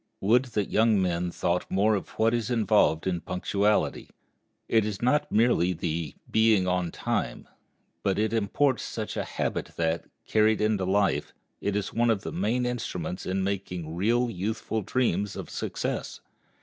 Would that young men thought more of what is involved in punctuality! It is not merely the "being on time," but it imports such a habit that, carried into life, it is one of the main instruments in making real youthful dreams of success.